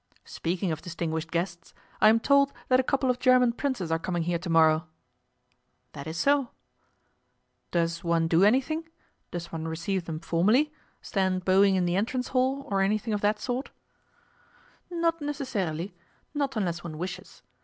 'Speaking of distinguished guests, I am told that a couple of German princes are coming here to morrow.' 'That is so.' 'Does one do anything? Does one receive them formally stand bowing in the entrance hall, or anything of that sort?' 'Not necessarily. Not unless one wishes.